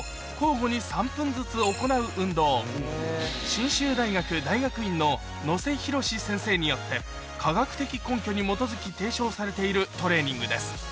信州大学大学院の能勢博先生によって科学的根拠に基づき提唱されているトレーニングです